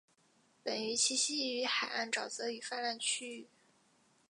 本鱼栖息于海岸沼泽与泛滥区域。